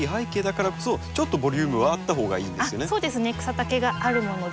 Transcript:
草丈があるもので。